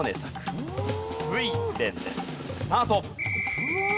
スタート。